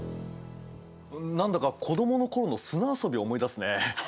何だか子供の頃の砂遊びを思い出すね。